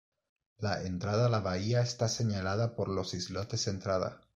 La entrada a la bahía está señalada por los islotes Entrada.